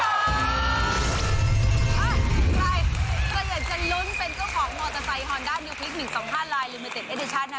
อ่ะใครใครอยากจะลุ้นเป็นเจ้าของมอเตอร์ไซค์ฮอนดานิวพลิกหนึ่งสองห้าลายลิมิเต็ดเอดิชันนะ